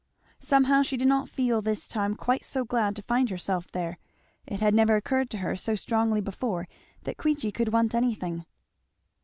Somehow she did not feel this time quite so glad to find herself there. It had never occurred to her so strongly before that Queechy could want anything.